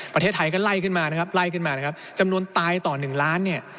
ประเทศไทยก็ไล่ขึ้นมานะครับไล่ขึ้นมานะครับจำนวนตายต่อหนึ่งล้านเนี่ย